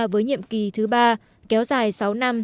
với nhiệm kỳ thứ ba kéo dài sáu năm